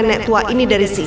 nenek tua ini dari sini